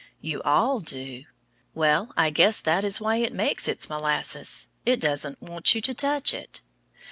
You all do? Well, I guess that is why it makes its molasses; it doesn't want you to touch it.